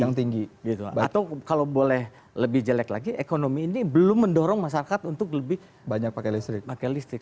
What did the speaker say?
atau kalau boleh lebih jelek lagi ekonomi ini belum mendorong masyarakat untuk lebih pakai listrik